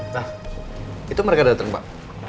nah itu mereka datang pak